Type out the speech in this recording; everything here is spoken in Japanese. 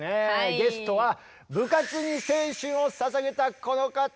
ゲストは部活に青春をささげたこの方！